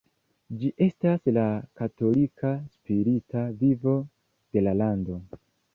Ĝi estas la katolika spirita vivo de la lando.